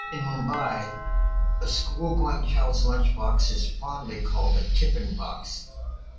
In Mumbai, a school going child's lunch box is fondly called a Tiffin box.